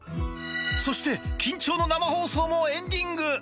そして緊張の生放送もエンディング